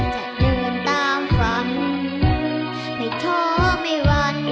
จะเดินตามฝันไม่ท้อไม่วัน